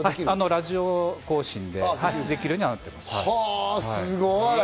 ラジオ交信でできるようにはなってます。